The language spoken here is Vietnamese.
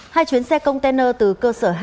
hai chuyến xe container từ cơ sở hai